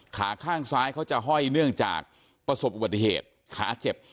ขาข้างซ้ายเขาจะห้อยเนื่องจากประสบอุบัติเหตุขาเจ็บ